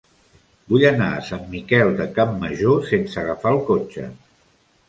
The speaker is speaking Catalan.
Vull anar a Sant Miquel de Campmajor sense agafar el cotxe.